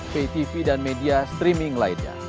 ptv dan media streaming lainnya